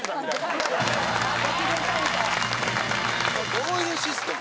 どういうシステム？